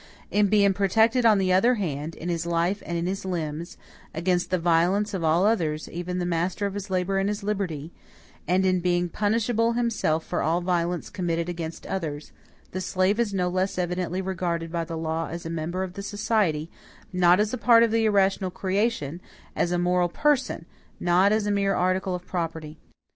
In being protected, on the other hand, in his life and in his limbs, against the violence of all others, even the master of his labor and his liberty; and in being punishable himself for all violence committed against others the slave is no less evidently regarded by the law as a member of the society, not as a part of the irrational creation; as a moral person, not as a mere article of property.